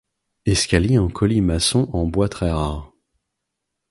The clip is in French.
Escalier en colimaçon en bois très rare.